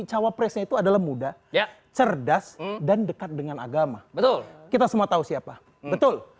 cawapresnya itu adalah muda cerdas dan dekat dengan agama betul kita semua tahu siapa betul